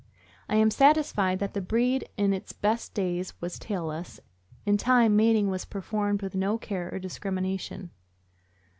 I am satisfied that the breed in its best days was tailless; in time, mating was per formed with no care or discrimination.